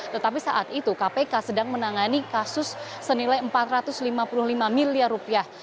dan itu kpk sedang menangani kasus senilai empat ratus lima puluh lima miliar rupiah